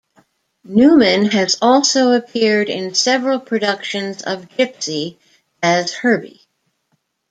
Newman has also appeared in several productions of "Gypsy" as Herbie.